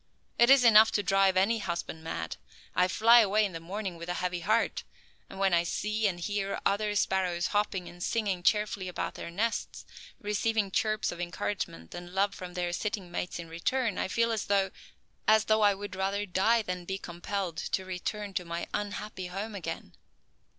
It is enough to drive any husband mad. I fly away in the morning with a heavy heart, and when I see and hear other sparrows hopping and singing cheerfully about their nests, receiving chirps of encouragement and love from their sitting mates in return, I feel as though as though I would rather die than be compelled to return to my unhappy home again."